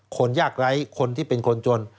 คนยากไร้คนที่เป็นคนจน